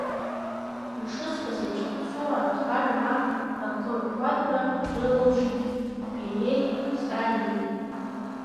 Ишысҳәаз еиԥш, аԥсуаа рахгара, ма рақырҭуатәра рылымшеит Бериеи Сталини.